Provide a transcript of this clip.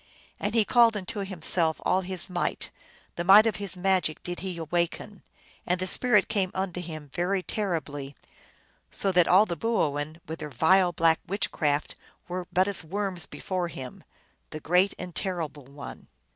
And he called unto himself all his might, the might of his magic did he awaken, and the spirit came unto him very terribly, so that all the boo oin^ with their vile black witchcraft, were but as worms before him, the Great and Terrible One.